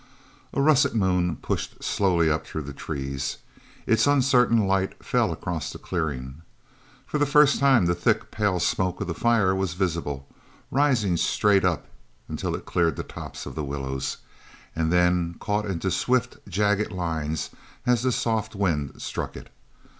A russet moon pushed slowly up through the trees. Its uncertain light fell across the clearing. For the first time the thick pale smoke of the fire was visible, rising straight up until it cleared the tops of the willows, and then caught into swift, jagging lines as the soft wind struck it.